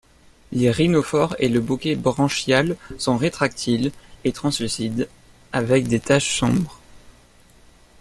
Les rhinophores et le bouquet branchial sont rétractiles et translucides avec des taches sombres.